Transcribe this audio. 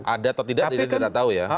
ada atau tidak jadi kita tidak tahu ya